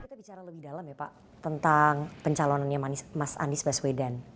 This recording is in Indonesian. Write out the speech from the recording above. kita bicara lebih dalam ya pak tentang pencalonannya mas anies baswedan